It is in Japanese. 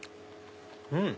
うん！